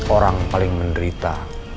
orang paling menderita